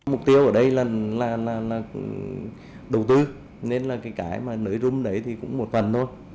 mục tiêu ở đây là đầu tư nên cái nới rung đấy cũng một phần thôi